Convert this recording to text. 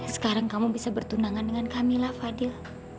sekarang kamu bisa bertunangan dengan kamilah fadil